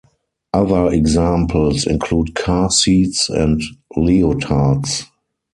Other examples include car seats and leotards.